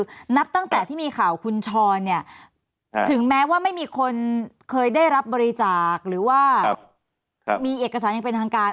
คือนับตั้งแต่ที่มีข่าวคุณช้อนเนี่ยถึงแม้ว่าไม่มีคนเคยได้รับบริจาคหรือว่ามีเอกสารยังเป็นทางการ